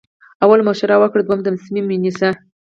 اول مشوره وکړه دوهم تصمیم ونیسه.